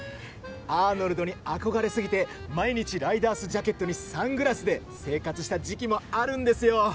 アーノルドに憧れすぎて毎日ライダースジャケットにサングラスで生活した時期もあるんですよ！